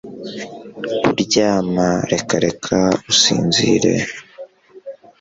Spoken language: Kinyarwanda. Kuryama reka reka usinzire